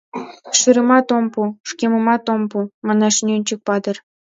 — Шӱремат ом пу, шкемымат ом пу, — манеш Нӧнчык-патыр.